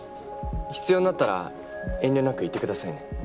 必要になったら遠慮なく言ってくださいね。